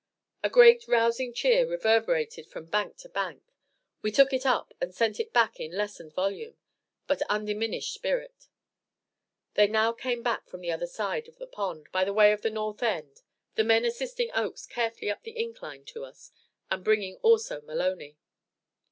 A great, rousing cheer reverberated from bank to bank. We took it up, and sent it back in lessened volume, but undiminished spirit. They now came back from the other side of the pond by the way of the north end, the men assisting Oakes carefully up the incline to us, and bringing also Maloney.